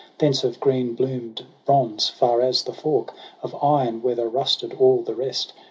Thence of green b'oomed bronze far as the fork, Of iron weather rusted all the rest.